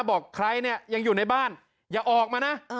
บอกใครเนี่ยยังอยู่ในบ้านอย่าออกมานะ